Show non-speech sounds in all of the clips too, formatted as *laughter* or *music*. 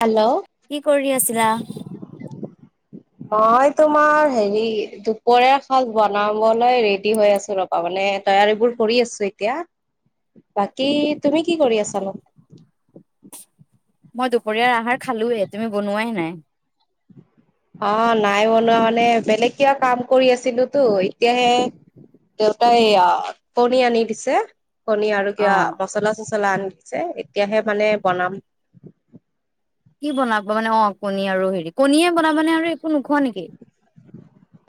Hello. কি কৰি আছিলা। অ এতিয়া মই হেৰি দুপৰীয়া সাজ বনাবলৈ ৰেডি হৈ আছো ৰবা মানে। এয়া বোৰ কৰি আছো এতিয়া। বাকী তুমি কি কৰি আছা নো। মই দুপৰীয়াৰ আহাৰ খালোয়ে তুমি বনোৱাই নাই। অ নাই বনোৱা মানে বেলেগ কিয় কাম কৰি আছিলো তো এতিয়াহে। দেউতাই কণী আনি দিছে। কণী আৰু কিবা অ'। মচলা চচলা আনি দিছে এতিয়াহে মানে বনাম। কি বনাবা মানে অ কণী আৰু হেৰি কণীয়ে বনাবানে আৰু। একো নোখোৱা নেকি?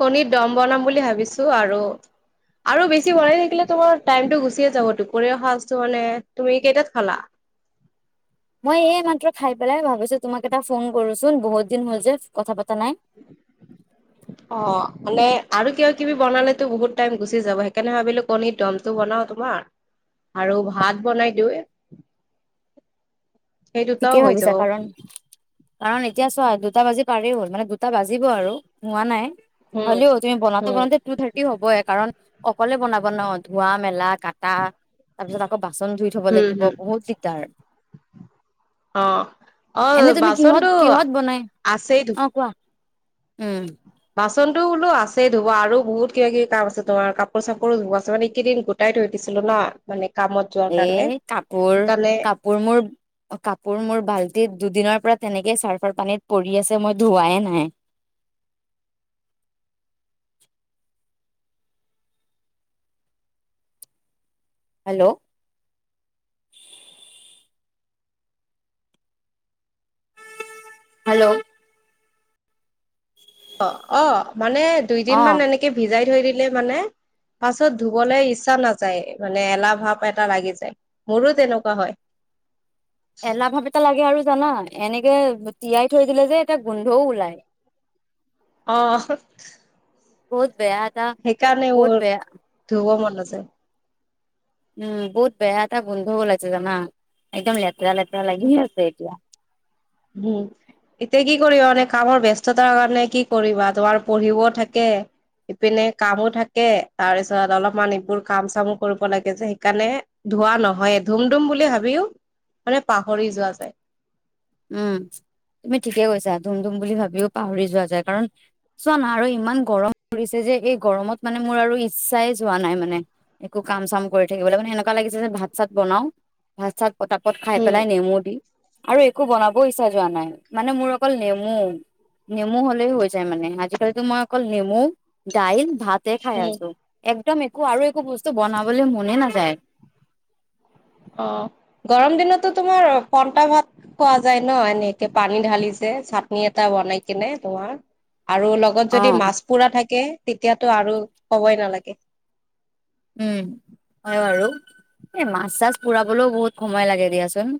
কণীৰ দম বনাম বুলি ভাবিছো আৰু। আৰু বেছি মন থাকিলে তোমাৰ টাইমটো গুচিয়ে যাব দুপৰীয়া সাজটো মানে তুমি কেইটাত খালা। *unintelligible* মই এই মাত্ৰ খাই পেলাই ভাবিছো তোমাক এটা ফোন কৰোচোন বহুত দিন হল যে কথা পাতি ম। অ। মানে আৰু কিবা কিবি বনালেতো বহুত টাইম গুচি যাব সেইকাৰণে ভাবিলো কণী দমটো বনাও তোমাৰ। আৰু ভাত বনাই দিওঁ। *unintelligible* ঠিকেই ভাবিছা যাব কাৰণ কাৰণ এতিয়া চোৱা। দুটা বাজি পাৰেই হ'ল মানে দুটা বাজিব আৰু হোৱা নাই। উম হলেও তুমি বনাওঁতে উম বনাওঁতে টু থাৰ্টি হ'বই কাৰণ। অকলে বনাব নোৱাৰ ধোৱা মেলা কাটা। তাৰ পিছত আকৌ বাচন ধুই থব হম লাগিব হম বহুত দিগদাৰ। অ অ এনে তুমি কিহত বাচনটো কিহত বনাই আছেই ধু অ কোৱা। উম। বাচনতো বোলো আছে ধবা আৰু বহুত কিবা কিব কাম আছে তোমাৰ কাপোৰ চাপোৰো ধুব আছে মানে কেইদিন গোটাই থৈ দিল ছিলো ন মানে। কামত যোৱাৰ এ কাৰণে কাপোৰ সেইকাৰণে কাপোৰ মোৰ কাপোৰ মোৰ বাল্টিত দুদিনৰ পৰা। তেনেকে চাৰ্ফাৰ পানীত পৰি আছে মই ধুৱাই নাই। হেল্ল'। হেল্ল'। অ অ মানে দুইদিন মান এনেকে ভিজাই থৈ দিলে মানে পাছত ধুবলৈ ইচ্ছা নাযায় মানে এলাহ ভাৱ এটা লাগি যায় মোৰো তেনেকুৱা হয়। *inaudible* এলাহ ভাৱ এটা লাগে আৰু জানা এনেকে তিয়াই থৈ দিলে যে এটা গোন্ধও ওলাই। আহ। বহুত বেয়া। এটা সেইকাৰণে বহুত বেয়া ধুৱ মন নাযায়। উম বহুত বেয়া এটা গোন্ধ ওলাই আছে জানা? একদম লেতেৰা লেতেৰা লাগি আছে এতিয়া। উম এতিয়া কি কৰিবা মানে কামৰ ব্যস্ততাৰ কাৰণে কি কৰিবা তোমাৰ পঢ়িবও থাকে? ইপিনে কামো থাকে তাৰপিছত অলপমান এইবোৰ কাম চামো কৰিব লাগে যে সেইকাৰণে ধোৱা নহয় ধুম ধুম বুলি ভাবিও মানে পাহৰি যোৱা যায়। উম। তুমি ঠিকে কৈছা ধুম ধুম বুলি ভাবিও পাহৰি যোৱা যায়, কাৰণ চোৱা না আৰু ইমান গৰম পৰিছে যে। যে এই গৰমত মানে মোৰ আৰু ইচ্ছাই যোৱা নাই মানে, একো কাম চাম কৰি থাকিবলৈ মানে এনেকুৱা লাগিছে যে ভাল ভাত চাত বনাও ভাত চাত পতাপত খাই উম, পেলাই নেমু দি আৰু একো বনাব ইচ্ছা যোৱা নাই, মানে মোৰ অকল নেমু। নেমু হ'লে হৈ যায় মানে আজিকালিতো মই অকল নেমু দাইল ভাতে খাই উম। আছো এক একদম একো আৰু একো বস্তু বনাবলৈ মনে নাযায়। অ গৰম দিনতো তোমাৰ পটা ভাত খোৱা যায় ন এনেকে পানী ঢালি? চাটনি এটা বনাই কিনে তোমাৰ- আৰু লগত অ যদি মাছ পোৰা থাকে তেতিয়াতটো আৰু কবই নালাগে। এ মাছ চাছ পোৰাবলও বহুত সময় লাগে দিয়াচোন।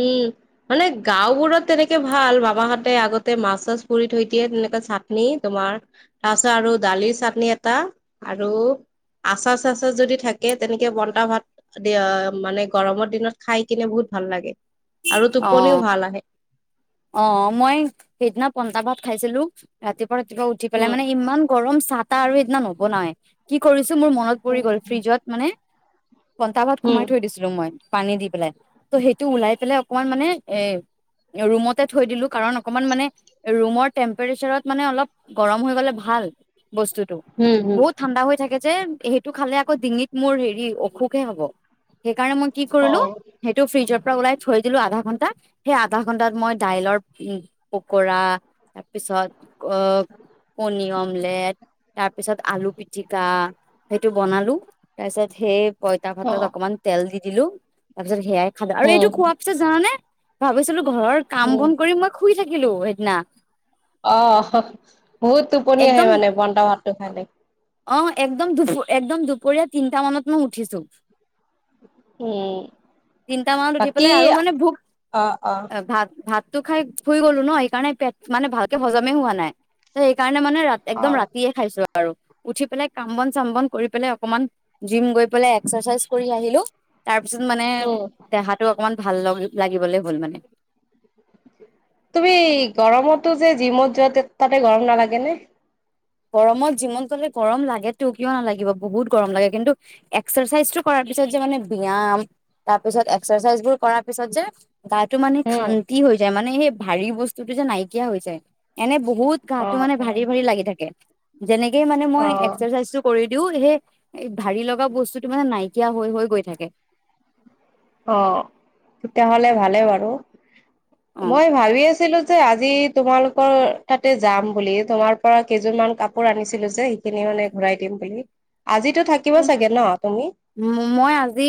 উম মানে গাওবোৰত তেনেকে ভাল বাবাহঁতে আগতে মাছ চাছ পৰি থৈ দিয়ে তে এ চাটনি তোমাৰ তাৰপিছত আৰু দালিৰ চাটনি এটা আৰু আচাৰ চাচাৰ যদি থাকে তেনেকে বন্তা ভাত দ মানে গৰমৰ দিনত খাই কিনে বহুত *unintelligible* ভাল লাগে। আৰু অ, টোপনিও ভাল আহে অ, মই সেইদিনা পইতাভাত খাইছিলোঁ ৰাতিপুৱা। ৰাতিপুৱা উঠি পেলাই, উম মানে ইমান গৰম চাহ- তাহ আৰু সেইদিনা নৱনাওয়ে। কি কৰিছ মোৰ মনত পৰি গ'ল, উম ফ্ৰিজত মানে কন্টা ভাত সোমাই হম থৈ দিছিলো মই পানী দি পেলাই ত' সেইটো ওলাই পেলাই অকমান মানে এ ৰুমতে থৈ দিলো কাৰণ অকমান মানে ৰুমৰ টেম্পৰেচাৰত মানে অলপ গৰম হৈ গলে ভাল। বস্তুতটো হম হম। বহুত ঠাণ্ডা হৈ থাকে যে। সেইটো খালে আকৌ ডিঙিত মোৰ হেৰি অসুখে হ'ব। সেইকাৰণে মই কি অ কৰিলো সেইটো ফ্ৰিজৰ পৰা ওলাই থৈ আধা ঘণ্টা, সেই আধা ঘণ্টাত মই দাইলৰ পকৰা তাৰ পিছত কনী অমলেট তাৰ পিছত আলু পিটিকা সেইটো বনালো তাৰপিছত সেই পইতা ভাতত অ', অকমান তেল দি দিলো, তাৰপিছত সেয়াই খালো। আৰু এইটো উম খোৱা জানানে ভাবিছিলো ঘৰৰ কাম উম বন কৰি মই শুই থাকিলো সেইদিনা। অ বহুত টোপনি আহে একদম মানে বন্তা ভাতটো খালে। অ একদম দু একদম দুপৰীয়া তিনিটা মানত মই উঠিছো। উম। লে আৰু মানে ভোক অ অ ভাত ভাতো খাই শুই গ'লো ন সেইকাৰণে পেট মানে ভালকে হজমে হোৱা নাই ত সেইকাৰণে মানে মানে ৰা একদম অ', ৰাতিয়ে খাইছো আৰু আৰু উঠি পেলাই কাম বন চাম বন কৰি পেলাই অকমান জিম গৈ পেলাই এক্সাৰচাইজ কৰি আহিলো তাৰপিছত মানে, উম দেহাটো অকমান ভাল লাগিবলে হ'ল মানে। তুমি গৰমতো যে জিমত যোৱা, তাতে গৰম নালাগে নে? গৰমত যিমান গ'লে গৰম লাগে তো, কিয় নালাগিব, বহুত গৰম লাগে। কিন্তু এক্সাৰচাইজটো কৰা তাৰ পিছত যে মানে ব্যয়াম, তাৰ পিছত এক্সাৰচাইজ বোৰ কৰাৰ পিছত যে গাটো মানে উম শান্তি হৈ যায়, মানে সেই ভাৰী বস্তুটো যে নাইকিয়া হৈ যায়। এনে বহুত অ অ গাটো মানে ভাৰী-ভাৰী লাগি থাকে। যেনেকে মানে অ মই, এক্সাৰচাইজটো কৰি দিওঁ, সেই ভাৰি লগা বস্তুটো মানে নাইকিয়া হৈ-হৈ, গৈ থাকে। অ, তেতিয়া হ'লে ভালে বাৰু। মই ভাবি আছিলো যে আজি আজি তোমালোকৰ তাতে যাম বুলি, তোমাৰ পৰা কেইযোৰ মান কাপোৰ আনিছিলো যে, সেইখিনি মানে ঘূৰাই দিম বুলি। আজিতো থাকিবা চাগে ন তুমি ম-মই আজি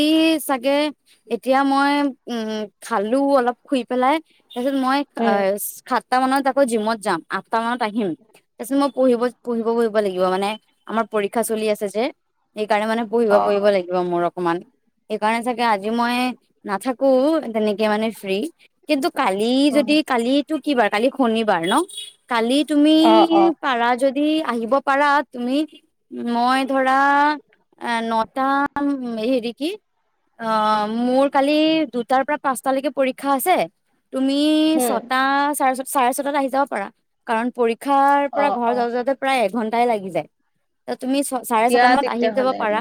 চাগে এতিয়া মই উম, খালোঁ অলপ, শুই পেলাই। তাৰপিছত মই উম সাতটা মানত আকৌ জিমত যাম। আঠটা মানত আহিম। তাৰপিছত মই পঢ়িব-পঢ়িব কৰিব লাগিব মানে আমাৰ পৰীক্ষা চলি আছে যে। সেইকাৰণে মানে অ পঢ়িব-পঢ়িব লাগিব। মূৰত অকমান, সেইকাৰণে চাগে আজি মই নাথাকো তেনেকে মানে ফ্ৰী। কিন্তু কালি অ যদি, কালিতো কি বাৰ? কালি শনিবাৰ ন? কালি তুমি অ', অ', পাৰা যদি, আহিব পাৰা তুমি মই ধৰা এ নটা হেৰি কি? অ, মোৰ কালি দু দুটাৰ পৰা পাঁচটালৈকে পৰীক্ষা আছে। তুমি হুম ছটা চাৰে চাৰে ছয়টা আহি যাব পাৰা, কাৰণ পৰীক্ষাৰ পৰা অ', ঘৰ অ', যাওঁ-যাওঁতে প্ৰায় এঘন্টা এঘন্টায়ে লাগি যায়। তুমি চাৰে ছয়টা মানত আহি অ-অ, যাব পাৰা।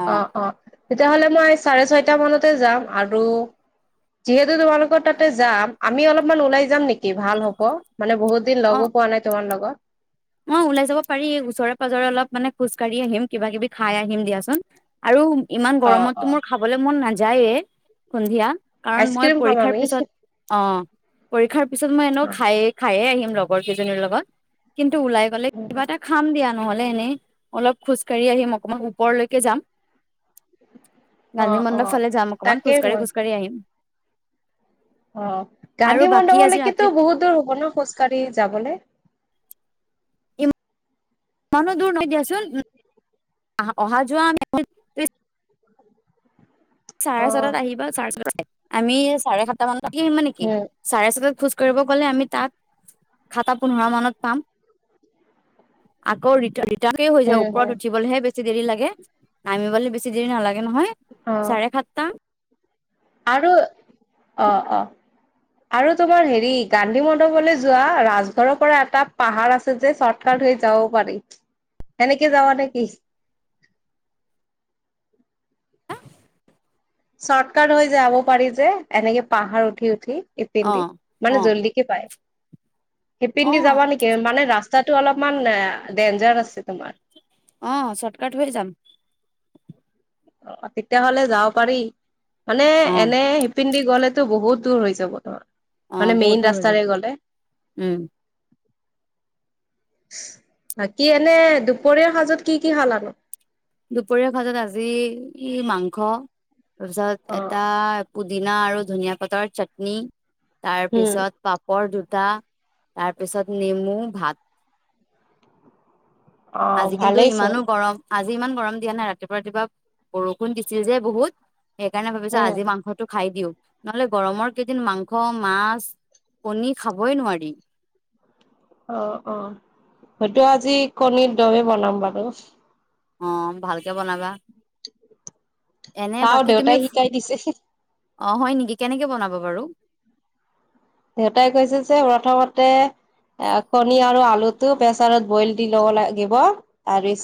অ' হ'লে মই চাৰে ছয়টা মানত এ যাম আৰু যিহেতু তোমালোকৰ তাতে যাম, আমি অলপমান ওলাই যাম নেকি, ভাল হ'ব। মানে বহুত দিন অ' লগো পোৱা নাই, তোমাৰ লগত। অ ওলাই যাব পাৰি ওচৰে পাজৰে অলপ মানে খোজকাঢ়ি আহিম, কিবা কিবি খাই আহিম দিয়াচোন আৰু ইমান অ', গৰমততো অ', মোৰ খাবলৈ মন নাযায়েই সন্ধিয়া কাৰণ মই আইচক্ৰীম খাম পৰীক্ষাৰ আমি পিছত অ। পৰীক্ষাৰ পিছত মই এনেও অ', খাই খায়েই আহিম লগৰ কেইজনীৰ লগত। এইটো ওলাই গ'লে, উম, কিবা এটা খাম দিয়া। নহ'লে এনেই অলপ খোজকাঢ়ি আহিম, অকমান ওপৰলৈকে যাম। অ', গান্ধীমণ্ডপ অ', ফালে যাম অকণমান, তাকেই মই খোজকাঢ়ি-খোজকাঢ়ি আহিম। অ, আৰু গান্ধী বাকী আজি ৰাতি মণ্ডপলৈকেতো বহুত দূৰ হব ন, খোজ কাঢ়ি যাবলৈ? ইমা *unintelligible* ইমানো দূৰ নহয় দিয়াচোন, অহা-যোৱা আমি চাৰে ছয়তা অ', আহিবা, চাৰে ছয়তাতে, আমি চাৰে সাতটা মান, ৰাতি আহিবা নেকি? উম, চাৰে ছয়তা খোজ কৰিব গ'লে আমি তাত, সাতটা পোন্ধৰ মানত পাম। আকৌ ৰিটাৰ্ণ হৈ যায় উম, ওপৰত উম, উঠিবলৈহে বেছি দেৰি লাগে, নামিবলৈ বেছি দেৰি নালাগে নহয়। অ', চাৰে সাতটা আৰু অ-অ আৰু তোমাৰ হেৰি গান্ধী মণ্ডপলৈ যোৱা, ৰাজঘৰৰ পৰা এটা পাহাৰ আছে যে, চৰ্টকাত সেইফালে যাব পাৰি, সেনেকে যাৱা নেকি? *inaudible* চৰ্টকাট হৈ যাব পাৰি যে, এনেকে পাহাৰ উঠি-উঠ। অ ইপিন দি, অ মানে জল্দিকে পায়। সিপিন অ দি যাবা নেকি? মানে ৰাস্তাতো অলপমান এ ডেঞ্জাৰ আছে। তোমাৰ অ চৰ্টকাট হৈ যাম। অ তেতিয়াহলে যাব পাৰি মানে অ এনে শিপিন্দি গলে বহুত দূৰ হৈ যাব তোমাৰ অ মানে বহুত মেইন দূৰ হৈ যাম ৰাস্তাৰে গ'লে। উম বাকী এনে দুপৰীয়াৰ সাজত কি কি খালানো? দুপৰীয়াৰ সাজত আজি ই মাংস অ তাৰপিছত এটা পু দিনা আৰু ধনীয়া পাতৰ চাটনি তাৰ উম পিছত পাপৰ দু তাৰপিছত নেমু, ভাত। অ আজি কিন্তু ভালেইচোন ইমানো গৰম আজি আজি ইমান গৰম দিয়া নাই ৰাতিপুৱা ৰাতিপুৱা বৰষুণ দিছিল যে বহুত সেইকাৰণে ভাবিছো উম আজি মাংসটো খাই দিও নহ'লে গৰমৰ কেইদিন মাংস, মাছ, কণী খাবই নোৱাৰি। *unintelligible* অ অ হয়তো আজি কণীৰ দমে বনাম বাৰু। অ ভালকে বনাবা। এনে চাও বাকী তুমি দেউতাই শিকাই দিছে অ হয় নেকি কেনেকে বনাব বাৰু দেউতাই কৈছে যে প্ৰথমতে এ কণী আৰু আলুটো প্ৰেচাৰত বইল দি ল'ব লাগিব।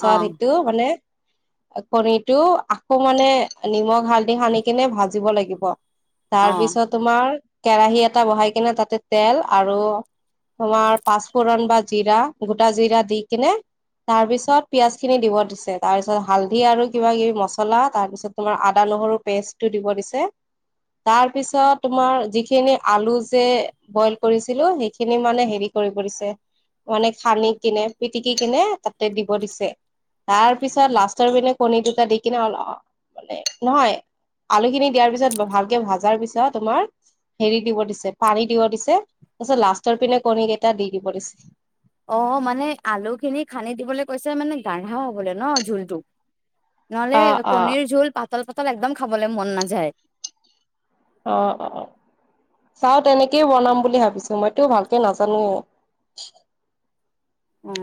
অ সেইটো মানে। কণীটো আকৌ মানে নিমখ হালধি সানি কিনে ভাজিব লাগিব। তাৰ অ পিছত তোমাৰ কেৰাহী এটা বহাই কিনে তাতে তেল আৰু তোমাৰ পাঁচ ফুৰণ বা জিৰা গোটা জিৰা দি কিনে তাৰ পিছত পিয়াজ খিনি দিব দিছে। তাৰ পিছত হালধি আৰু কিবা কিবি মছলা, তাৰ পিছত তোমাৰ আদা নহৰু পেষ্টটো দিব দিছে। তাৰ পিছত তোমাৰ যিখিনি আলু যে বইল কৰিছিলো, সেইখিনি মানে হেৰি কৰিব দিছে। মানে খানি কিনে পিটিকি কিনে তাতে দিব দিছে। তাৰ পিছত লাষ্টৰ পিনে কণী দুটা দি কিনে অল মানে নহয়। আলুখিনি দিয়াৰ পিছত ভালকে ভাজাৰ পিছত তোমাৰ হেৰি দিব দিছে। পানী দিব দিছে তাৰ পিছত লাষ্টৰ পিনে কণী কেইটা দি দিব দিছে। কৈছো মানে গাঢ়া হবলে ন ঝুলতটো, নহলে অ অ কণীৰ ঝুল পাত- পাতল পাতল একদম খাবলে মন নাযায়। অ অ অ চাওঁ তেনেকেই বনাম বুলি ভাবিছো মইতো ভালকে নাজানোৱে। উ।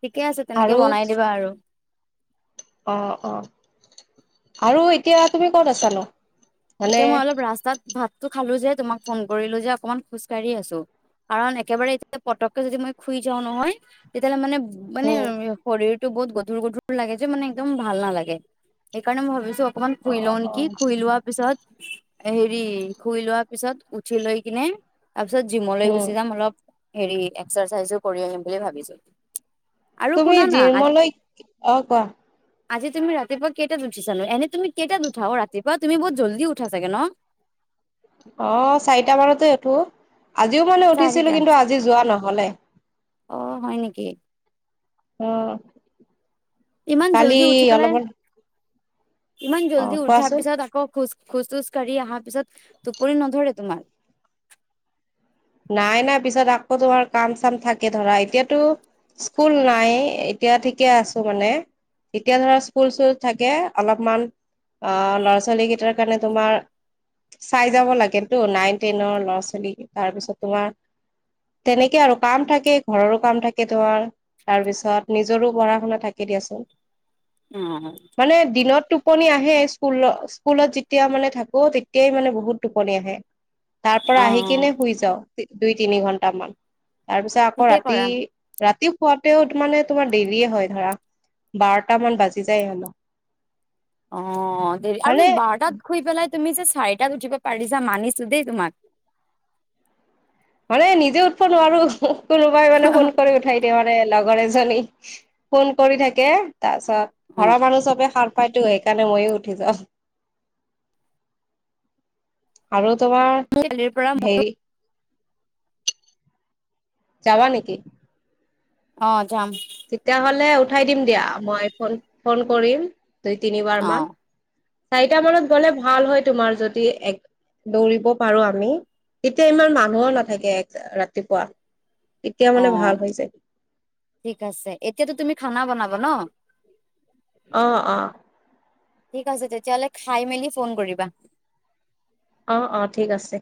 ঠিকে আছে তেনেকে আৰু বনাই দিবা আৰু অ অ আৰু এতিয়া তুমি ক'ত আছানো? এতিয়া মানে মই অলপ ৰাস্তাত ভাতটো খালো যে তোমাক ফোন কৰিলো যে অকনমান খোজকাঢ়ি আছো। কাৰণ একেবাৰে এতিয়া পতককে যদি মই খুই যাওঁ নহয় তেতিয়াহ'লে মানে মানে হুম। শৰীৰ টো বহুত গধুৰ গধুৰ লাগে যে মানে একদম ভাল নালাগে সেইকাৰণে মই ভাবিছো অকমান শুই অ', লও নেকি অ'। শুই লোৱা পিছত হেৰি শুই লোৱাৰ পিছত উঠি লৈ কিনে তাৰ পিছত জিমলৈ উম, গুচি যাম অলপ হেৰি এক্সাৰচাইজো কৰি আহিম বুলি ভাবিছো। আৰু তুমি শুনা না আজ জিমলৈ অ কোৱা। আজি তুমি ৰাতিপুৱা কেইটাত উঠিচানো? এনে তুমি কেইটা উঠা অ ৰাতিপুৱা? তুমি বহুত জল্দি উঠা চাগে ন? অ চাৰিটামানতে উঠো। আজিও মানে চাৰিটা উঠিছিলো কিন্তু আজি যোৱা নহলে। অ হয় নেকি? অ ইমান জল্দি কালি উঠি পেলাই অলপল ইমান জল্দি উঠাৰ পিছত আকৌ খোজ খোজ তোজ কঢ়ি অহাৰ পিছত টোপনি নধৰে তোমাৰ? নাই, নাই পিছত আকৌ তোমাৰ কাম চাম থাকে ধৰা। এতিয়াতো স্কুল নাই, এতিয়া ঠিকে আছো মানে। এতিয়া ধৰা স্কুল চুল থাকে অলপমান অ ল'ৰা ছোৱালী কেইটাৰ কাৰণে তোমাৰ চাই যাব লাগে তো নাইন টেনৰ ল'ৰা ছোৱালী তাৰপিছত তোমাৰ তেনেকে আৰু কাম থাকে ঘৰৰ কাম থাকে তোমাৰ। তাৰপিছত নিজৰো পঢ়া শুনা থাকি দিয়াচোন, মানে দিনতো টোপনি আহে স্কুলত স্কুলত যেতিয়া মানে থাকো তেতিয়াই মানে বহুত টোপনি আহে। তাৰ পৰা অ আহি কিনে শুই যাও দুই তিনি ঘন্টামান। তাৰ পিছত আকৌ ঠিকেই ৰাতি কৰা ৰাতি- খোৱাতেও মানে তোমাৰ দেৰিয়ে হয় ধৰা বাৰটা মান বাজি যায় জেনো। অ দেৰি আৰু বাৰটা তাত শুই পেলাইত- তুমি যে চাৰিটা উঠিব পাৰিছা মনিছো দে তোমাক। মানে নিজে উঠব নোৱাৰো কোনোবাই মানে ফোন কৰি উঠাই দিয়ে মানে লগৰ এজনী। ফোন কৰি থাকে অ তাছত ঘৰৰ মানুহ চবে সাৰ পাইতো সেইকাৰণে ময়ো উঠি যাওঁ আৰু। তোমাৰ কালিৰ পৰা হেৰি যাবা নেকি? অ যাম। তেতিয়াহ'লে উঠাই দিম দিয়া মই ফোন ফোন কৰিম দুই তিনিবাৰ অ মান। চাৰিটা মানত গলে ভাল হয় তোমাৰ যদি এক দৌৰিব পাৰো আমি এতিয়া ইমান মানুহৰ নাথাকে ৰাতিপুৱা। তেতিয়া অ মানে ভাল হৈ যায় ঠিক আছে এতিয়াতো তুমি খানা বনাবা ন? অঁ অঁ। ঠিক আছে তেতিয়াহলে খাই মেলি ফোন কৰিবা। অ অ ঠিক আছে।